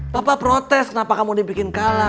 papa protes kenapa kamu dibikin kalah